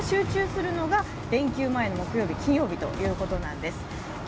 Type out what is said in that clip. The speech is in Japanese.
それが集中するのが連休前の木・金曜日ということなんです。